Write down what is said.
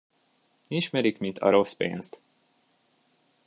Ismerik, mint a rossz pénzt.